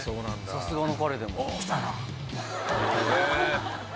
さすがの彼でも。